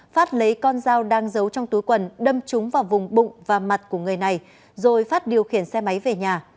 phát lấy con dao đang giấu trong túi quần đâm chúng vào vùng bụng và mặt của người này rồi phát điều khiển xe máy về nhà